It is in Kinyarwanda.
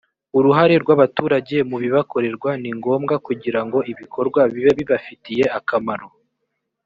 uruhare rw abaturage mu bibakorerwa ni ngombwa kugira ngo ibikorwa bibe bibafitiye akamaro